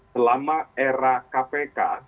selama era kpk